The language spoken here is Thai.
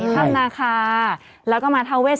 ถ้ำนาคาแล้วก็มาทาเวส